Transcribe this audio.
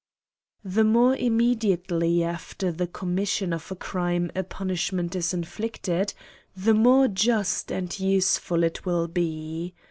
THE more immediacely after the commission of a crime a punishment is inflicted, the more just and useful it will be.